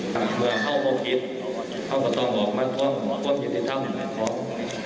พระนักฐานพวกกิจก็ต้องรบมาความยุติธรรม